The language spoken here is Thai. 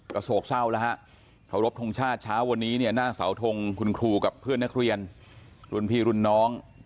ก็โศกเศร้าแล้วฮะเคารพทงชาติเช้าวันนี้เนี่ยหน้าเสาทงคุณครูกับเพื่อนนักเรียนรุ่นพี่รุ่นน้อง